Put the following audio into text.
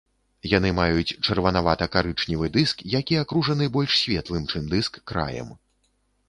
Яны маюць чырванавата-карычневы дыск, які акружаны больш светлым, чым дыск, краем.